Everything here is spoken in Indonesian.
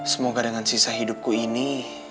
semoga dengan sisa hidupku ini